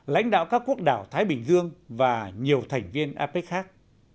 lãnh đạo các quốc đảo thái bình dương và nhiều thành viên apec khác